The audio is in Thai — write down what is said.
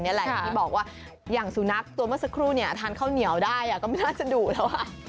อย่างที่บอกว่าอย่างสุนัขตัวเมื่อสักครู่เนี่ยทานข้าวเหนียวได้ก็ไม่น่าจะดุแล้ว